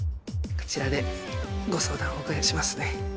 こちらでご相談をお伺いしますね。